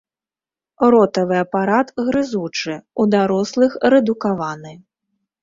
Ротавы апарат грызучы, у дарослых рэдукаваны.